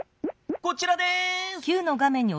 こちらです。